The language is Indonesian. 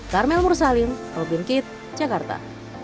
pemur salim robin kit jakarta